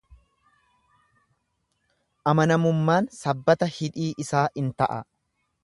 Amanammummaan sabbata hidhii isaa in ta'a.